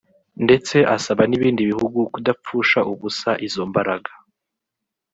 ndetse asaba n’ibindi bihugu kudapfusha ubusa izo mbaraga